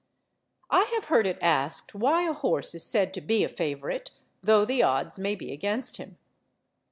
I have heard it asked why a horse is said to be a favourite, though the odds may be against him.